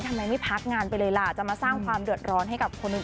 ทำไมไม่พักงานไปเลยล่ะจะมาสร้างความเดือดร้อนให้กับคนอื่น